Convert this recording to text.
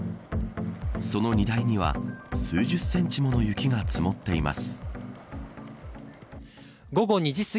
その荷台には数十センチもの雪が積もっています。